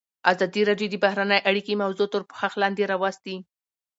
ازادي راډیو د بهرنۍ اړیکې موضوع تر پوښښ لاندې راوستې.